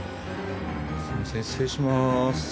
すいません失礼します。